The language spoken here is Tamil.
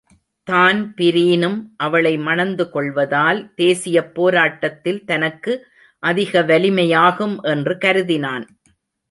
தான்பிரீனும் அவளை மணந்து கொள்வதால் தேசியப் போராட்டத்தில் தனக்கு அதிக வலிமையாகும் என்று கருதினான்.